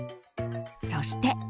そして。